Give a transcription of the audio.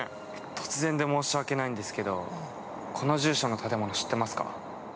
突然で申し訳ないんですけど、この住所の建物知ってますか？